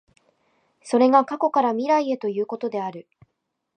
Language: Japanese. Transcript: それが過去から未来へということである。